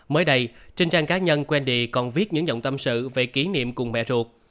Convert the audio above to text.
mới đây trên trang cá nhân wendy còn viết những giọng tâm sự về kỷ niệm cùng mẹ ruột